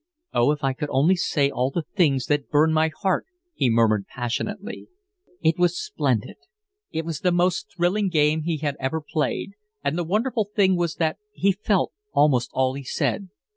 "Oh, if I could only say all the things that burn my heart!" he murmured passionately. It was splendid. It was the most thrilling game he had ever played; and the wonderful thing was that he felt almost all he said.